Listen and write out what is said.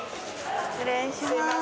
失礼します。